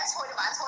con tắm chưa